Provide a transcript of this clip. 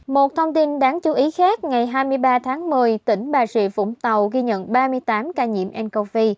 một thông tin đáng chú ý khác ngày hai mươi ba tháng một mươi tỉnh bà rịa vũng tàu ghi nhận ba mươi tám ca nhiễm ncov